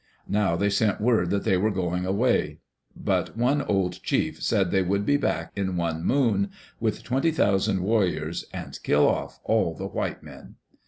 Now they sent word that they were going away. But one old chief said they would be back " in one moon " with twenty thousand warriors and kill oflF all the white men.